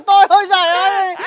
trời ơi mày đi mày không nhìn được à